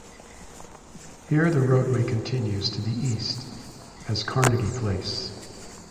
Here, the roadway continues to the east as Carnegie Place.